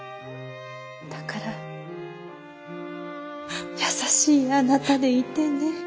だからやさしいあなたでいてね」。